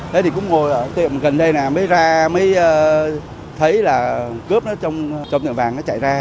thế thì cũng ngồi ở tiệm gần đây là mới ra mới thấy là cướp nó trong tiệm vàng nó chạy ra